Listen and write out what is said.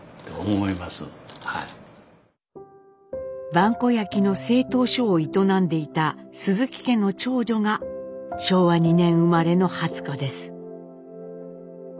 萬古焼の製陶所を営んでいた鈴木家の長女が昭和２年生まれの初子です。